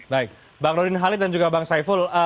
baik bang rudin halid dan juga bang saiful